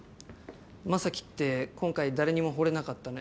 将希って今回誰にも惚れなかったね。